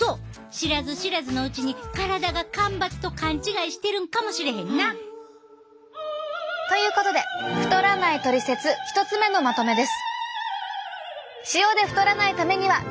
知らず知らずのうちに体が干ばつと勘違いしてるんかもしれへんな。ということで太らないトリセツ１つ目のまとめです！